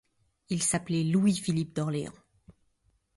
Il s’appelait Louis-Philippe d’Orléans.